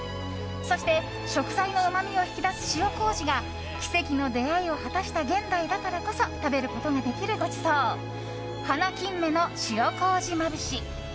そして食材のうまみを引き出す塩麹が奇跡の出会いを果たした現代だからこそ食べることができるごちそう華金目の塩麹まぶし。